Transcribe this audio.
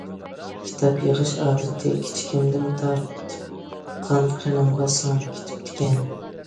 كىتاب يىغىش ئادىتى كىچىكىمدىن تارتىپ قان- قېنىمغا سىڭىپ كېتىپتىكەن.